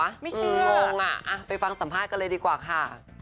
ไม่เชื่องงน่ะไปฟังสัมภาษณ์กันเลยดีกว่าค่ะไม่เชื่องงน่ะไปฟังสัมภาษณ์กันเลยดีกว่าค่ะ